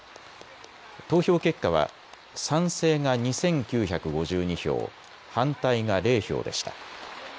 投票結果は賛成が２９５２票、反対が０票でした。